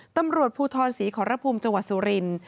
ตำรวจภูทรศรีขอรภูมิจังหวัดสุรินทร์